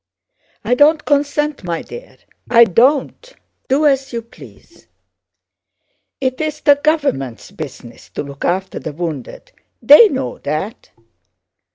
I don't consent, my dear, I don't! Do as you please! It's the government's business to look after the wounded; they know that.